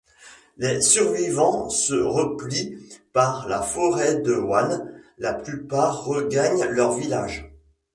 Les survivants se replient par la forêt de Wanne, la plupart regagnent leurs villages.